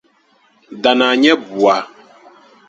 Danaa nya bua.